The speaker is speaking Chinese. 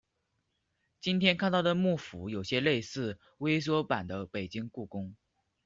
今天看到的木府有些类似微缩版的北京故宫。